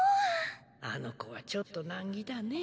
あの子はちょっと難儀だねぇ。